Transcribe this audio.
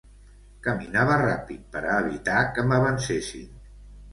Caminava ràpid per a evitar que m'avancessin.